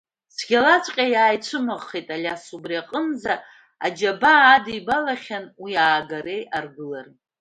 Цәгьалаҵәҟьа ицәымыӷхеит Алиас, убри аҟынӡа аџьабаа адибалахьан уи аагареи аргылареи.